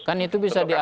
kan itu bisa diatur